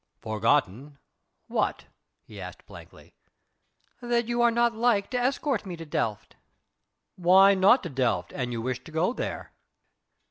"Forgotten? What?" he asked blankly. "That you are not like to escort me to Delft." "Why not to Delft, an you wish to go there?"